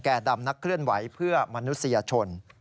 ดำนักเคลื่อนไหวเพื่อมนุษยชน